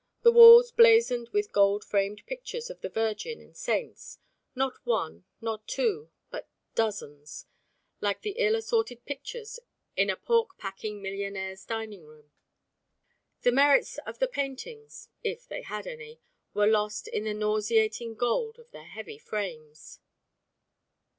The walls blazoned with gold framed pictures of the Virgin and Saints, not one, not two, but dozens, like the ill assorted pictures in a pork packing millionaire's dining room. The merits of the paintings, if they had any, were lost in the nauseating gold of their heavy frames.